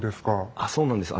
あっそうなんです。